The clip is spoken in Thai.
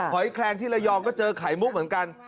อยแคลงที่ระยองก็เจอไข่มุกเหมือนกัน